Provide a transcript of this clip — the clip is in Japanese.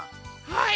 はい。